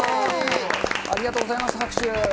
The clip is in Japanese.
ありがとうございます、拍手。